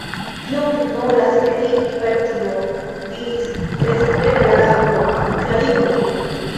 "Kion vi volas kredigi per tio?" diris tre severe la Raŭpo. "Klarigu vin."